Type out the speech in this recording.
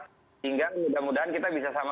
sehingga mudah mudahan kita bisa sama